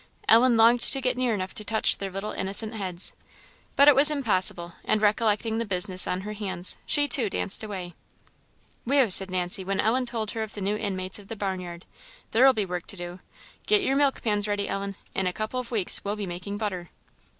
Ellen longed to get near enough to touch their little innocent heads, but it was impossible; and recollecting the business on her hands, she too danced away. "Whew!" said Nancy, when Ellen told her of the new inmates of the barn yard; "there'll be work to do! Get your milk pans ready, Ellen; in a couple of weeks we'll be making butter."